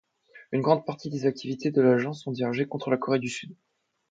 Une grande partie des activités de l'agence sont dirigées contre la Corée du Sud.